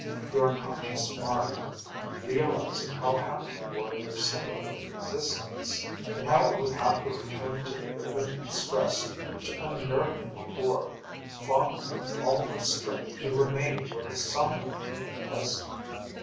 "Your unconscious mind, realizing how happy you were in your simulated existence, and how it would have to return to the rigor and stress which unnerved it before, fought with all its strength to remain where the somno had placed it.